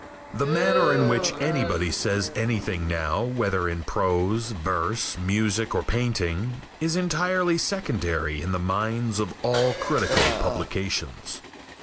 The manner in which anybody says anything now whether in prose, verse, music or painting is entirely secondary in the minds of all critical publications.